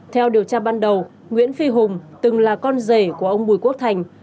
theo điều tra ban đầu nguyễn phi hùng từng là con rể của ông bùi quốc thành